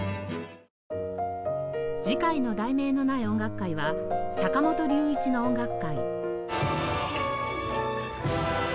次回の『題名のない音楽会』は「坂本龍一の音楽会」